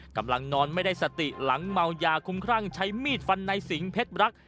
กำลังนอนไม่ได้สติหลังเมายาคุ้มครั่งใช้มีดฟันในสิงเพชรรัก